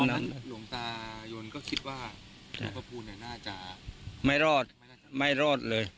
หลวงตายนก็คิดว่าเนี้ยน่าจะไม่รอดไม่รอด